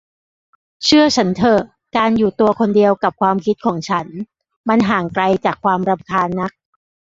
เชื่อฉันเถอะ การอยู่ตัวคนเดียวกับความคิดของฉัน มันห่างไกลจากความรำคาญนัก